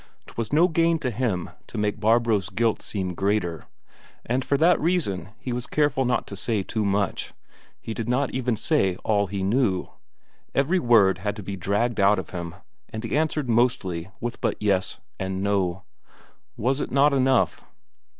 'Twas no gain to him to make Barbro's guilt seem greater, and for that reason he was careful not to say too much, he did not even say all he knew; every word had to be dragged out of him, and he answered mostly with but "Yes" and "No." Was it not enough?